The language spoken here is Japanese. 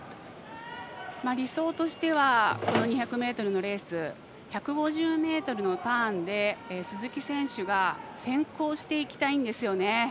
理想としては２００ｍのレース１５０ｍのターンで鈴木選手が先行していきたいんですよね。